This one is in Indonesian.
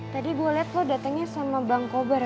tadi gue liat lo datengin sama bang kober